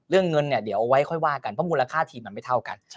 เรื่องเงินเนี่ยเดี๋ยวเอาไว้ค่อยว่ากันเพราะมูลค่าทีมมันไม่เท่ากัน